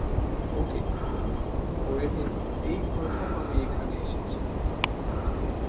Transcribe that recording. ওকে, ধরে নিন এই প্রথম আমি এখানে এসেছি।